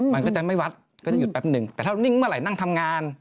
มันก็จะไม่วัดก็จะหยุดแป๊บหนึ่งแต่ถ้านิ่งเมื่อไหร่นั่งทำงาน